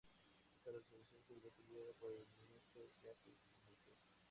Esta resolución se vería apoyada por el ministro Jacques Necker.